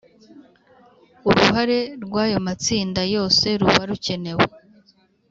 Uruhare rw’ayomatsinda yose ruba rukenewe